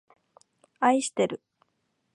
あいしてる